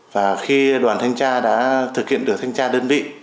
và khi đoàn thanh tra đã thực hiện được thanh tra đơn vị